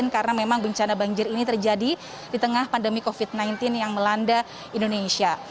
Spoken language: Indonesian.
karena memang bencana banjir ini terjadi di tengah pandemi covid sembilan belas yang melanda indonesia